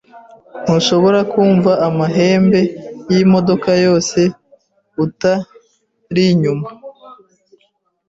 Ntushobora kumva amahembe yimodoka yose aturinyuma?